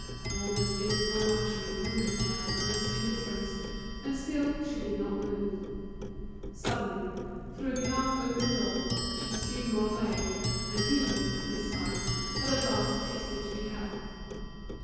All this amiable luxury wounded her with its indifference, and still she did not move. Suddenly, through the half open door, she perceived Mouret, and he, on his side, had at last guessed it to be her.